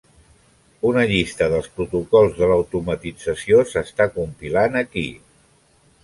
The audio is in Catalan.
Una llista dels protocols de l'automatització s'està compilant aquí.